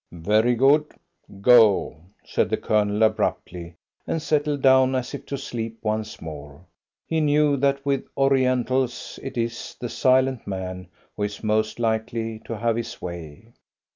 "Very good! Go!" said the Colonel abruptly, and settled down as if to sleep once more. He knew that with Orientals it is the silent man who is most likely to have his way.